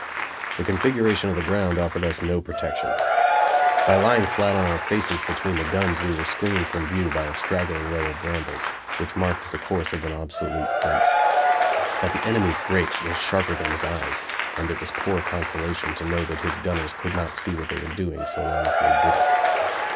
The configuration of the ground offered us no protection. By lying flat on our faces between the guns we were screened from view by a straggling row of brambles, which marked the course of an obsolete fence; but the enemy's grape was sharper than his eyes, and it was poor consolation to know that his gunners could not see what they were doing, so long as they did it.